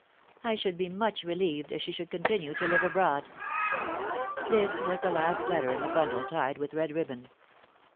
I should be much relieved if she could continue to live abroad." Litera Scripta Manet. 337 This was the last letter in the bundle tied with red ribbon.